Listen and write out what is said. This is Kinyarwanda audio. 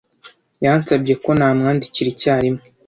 Yansabye ko namwandikira icyarimwe.